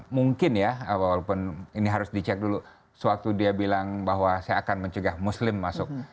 mungkin ya walaupun ini harus dicek dulu sewaktu dia bilang bahwa saya akan mencegah muslim masuk